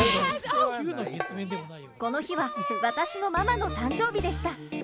この日は私のママの誕生日でした。